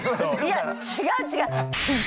いや違う違う！